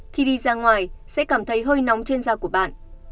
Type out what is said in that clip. khi đi ra ngoài sẽ cảm thấy hơi nóng trên da của bạn